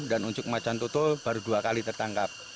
dan unjuk macan tutul baru dua kali tertangkap